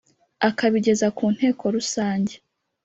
akabigeza ku Nteko Rusange.